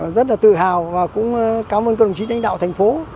rất là tự hào và cũng cảm ơn các đồng chí đánh đạo thành phố